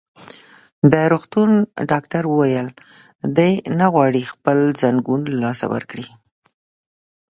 د روغتون ډاکټر وویل: دی نه غواړي خپل ځنګون له لاسه ورکړي.